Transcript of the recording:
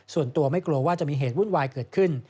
ส่วนตัวไม่กลัวว่าจะมีเหตุวุ่นวายเกิดขึ้น